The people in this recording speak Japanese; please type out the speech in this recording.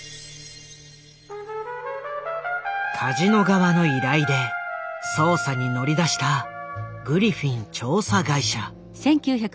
カジノ側の依頼で捜査に乗り出したグリフィン調査会社。